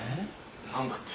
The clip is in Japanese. ・何だって？